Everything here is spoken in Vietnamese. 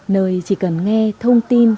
nơi chỉ cần nghe thông tin